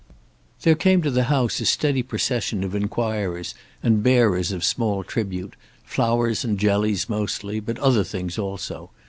There came to the house a steady procession of inquirers and bearers of small tribute, flowers and jellies mostly, but other things also.